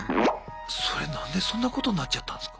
それ何でそんなことなっちゃったんすか？